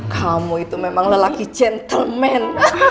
kamu itu memang lelaki gentleman